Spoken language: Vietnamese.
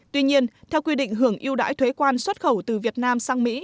tuy nhiên theo quy định hưởng yêu đãi thuế quan xuất khẩu từ việt nam sang mỹ